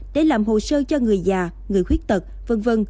để làm hồ sơ cho người già người khuyết tật v v